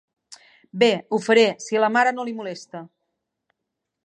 Bé, ho faré, si a la mare no li molesta.